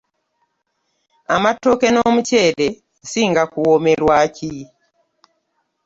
Amatooke n'omuceere osinga kuwoomerwa ki?